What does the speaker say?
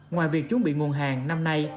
ngoài việc chuẩn bị nguồn hàng năm nay